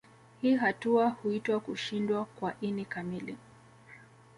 Hii hatua huitwa kushindwa kwa ini kamili